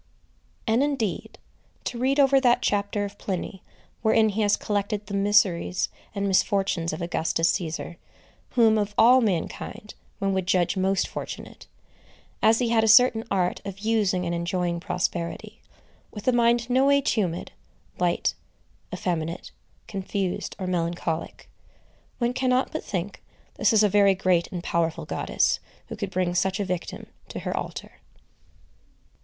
And, indeed, to read over that chapter of Pliny wherein he has collected the miseries and misfortunes of Augustus Cæsar, whom, of all mankind, one would judge most fortunate,—as he had a certain art of using and enjoying prosperity, with a mind no way tumid, light, effeminate, confused, or melancholic,—one cannot but think this a very great and powerful goddess, who could bring such a victim to her altar.